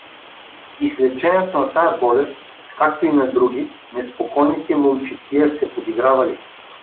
И с лечението на тая болест, както и на други неспокойните момчетия се подигравали.